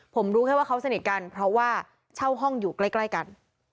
ผมรู้แค่ว่าเขาสนิทกันเพราะว่าเช่าห้องอยู่ใกล้กัน